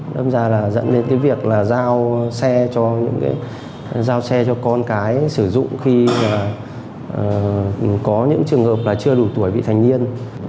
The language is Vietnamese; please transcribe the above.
đâm ra là dẫn đến cái việc là giao xe cho những cái giao xe cho con cái sử dụng khi mà có những trường hợp là chưa đủ tuổi vị thành niên